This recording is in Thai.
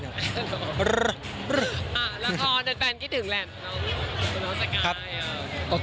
แล้วท้อนเต็มแฟนคิดถึงแหละคุณน้องสกาย